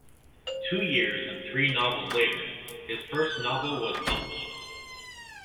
Two years and three novels later his first novel was published.